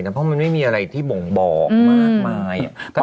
แต่เพราะมันไม่มีอะไรที่บ่งบอกมากมาย